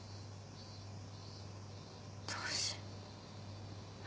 どうしよう。